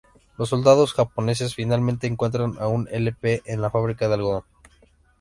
Los soldados japoneses finalmente, encuentran a Ip en la fábrica de algodón.